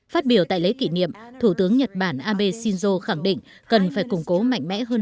phát biểu tại lễ kỷ niệm thủ tướng nhật bản abe shinzo khẳng định cần phải củng cố mạnh mẽ hơn